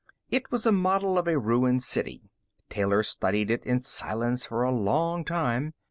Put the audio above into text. It was a model of a ruined city. Taylor studied it in silence for a long time.